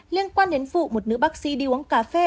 liên quan đến vụ một nữ bác sĩ đi uống cà phê